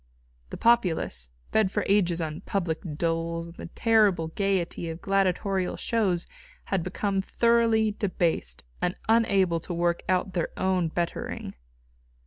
The populace, fed for ages on public doles and the terrible gaiety of gladiatorial shows had become thoroughly debased, and unable to work out their own bettering.